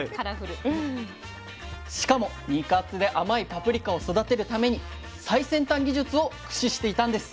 しかも肉厚で甘いパプリカを育てるために最先端技術を駆使していたんです。